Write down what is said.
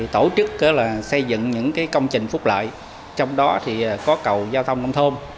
trước đó là xây dựng những công trình phúc lợi trong đó thì có cầu giao thông nông thôn